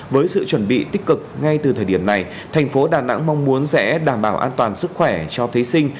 với sự chuẩn bị tích cực ngay từ thời điểm này thành phố đà nẵng mong muốn sẽ đảm bảo an toàn sức khỏe cho thí sinh